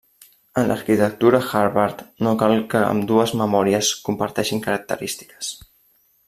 En l'arquitectura Harvard no cal que ambdues memòries comparteixin característiques.